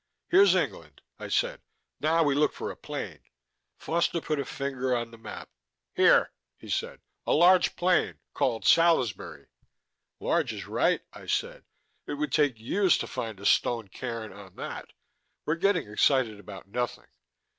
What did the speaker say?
"Here's England," I said. "Now we look for a plain." Foster put a finger on the map. "Here," he said. "A large plain called Salisbury." "Large is right," I said. "It would take years to find a stone cairn on that. We're getting excited about nothing.